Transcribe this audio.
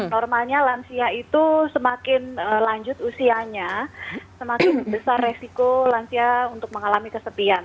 normalnya lansia itu semakin lanjut usianya semakin besar resiko lansia untuk mengalami kesepian